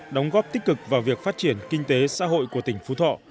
đóng góp tích cực vào việc phát triển kinh tế xã hội của tỉnh phú thọ